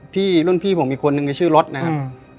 รุ่นพี่ผมอีกคนนึงในชื่อรถนะครับ